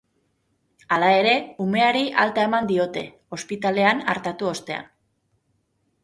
Hala ere, umeari alta eman diote, ospitalean artatu ostean.